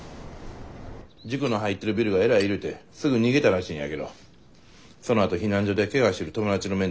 塾の入ってるビルがえらい揺れてすぐ逃げたらしいんやけどそのあと避難所でケガしてる友達の面倒見とったんやて。